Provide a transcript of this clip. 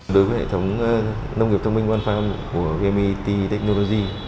đối với hệ thống nông nghiệp thông minh văn phòng của vnpt technology